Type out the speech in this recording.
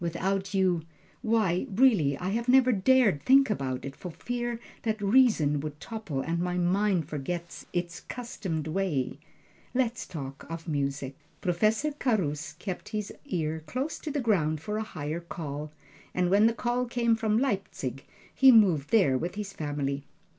Without you why, really I have never dared think about it, for fear that reason would topple, and my mind forget its 'customed way let's talk of music. Professor Carus kept his ear close to the ground for a higher call, and when the call came from Leipzig, he moved there with his family.